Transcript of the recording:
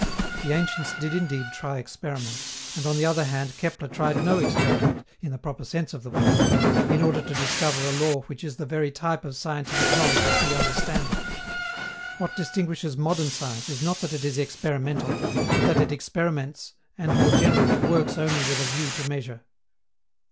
The ancients did indeed try experiments, and on the other hand Kepler tried no experiment, in the proper sense of the word, in order to discover a law which is the very type of scientific knowledge as we understand it. What distinguishes modern science is not that it is experimental, but that it experiments and, more generally, works only with a view to measure.